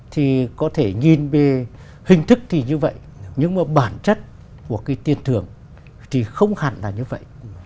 thì có thể nhìn về hình thức thì như vậy nhưng mà bản chất của cái tiền thưởng thì không hẳn là như vậy